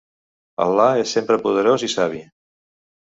Allah és sempre poderós i savi.